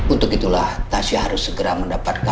untuk itulah tasyah harus segera mendapatkan